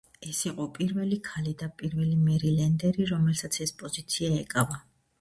ის იყო პირველი ქალი და პირველი მერილენდერი რომელსაც ეს პოზიცია ეკავა.